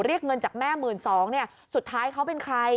เรียกเงินจากแม่๑๒๐๐บาทสุดท้ายเขาเป็นใคร